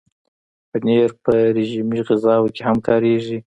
پنېر په رژیمي غذاوو کې هم کارېږي.